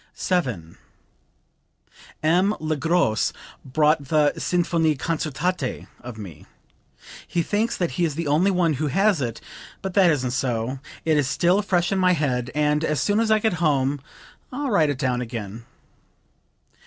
7. "M. Le Gros bought the 'Sinfonie concertante' of me. He thinks that he is the only one who has it; but that isn't so. It is still fresh in my head, and as soon as I get home I'll write it down again."